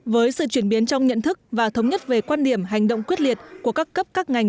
với sự chuyển biến trong nhận thức và thống nhất về quan điểm hành động quyết liệt của các cấp các ngành